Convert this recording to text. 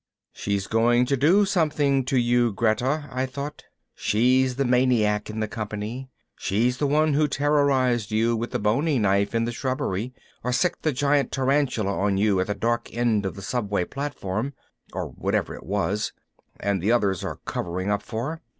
She's going to do something to you, Greta, I thought. _She's the maniac in the company. She's the one who terrorized you with the boning knife in the shrubbery, or sicked the giant tarantula on you at the dark end of the subway platform, or whatever it was, and the others are covering up for.